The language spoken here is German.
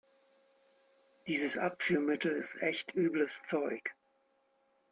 Dieses Abführmittel ist echt übles Zeug.